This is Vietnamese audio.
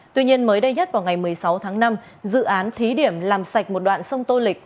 tuy nhiên mới đây nhất vào ngày một mươi sáu tháng năm dự án thí điểm làm sạch một đoạn sông tô lịch